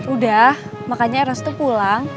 udah makanya eros tuh pulang